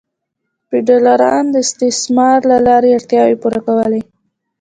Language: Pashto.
فیوډالانو د استثمار له لارې اړتیاوې پوره کولې.